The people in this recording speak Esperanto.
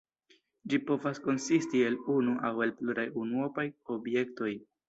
Ĝi povas konsisti el unu aŭ el pluraj unuopaj objektoj.